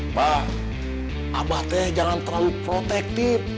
pak abah teh jangan terlalu protektif